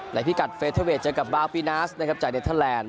หลายพิกัดเฟสเทอร์เวทเจอกับบางพลีน้อยจากเน็ตเทอร์แลนด์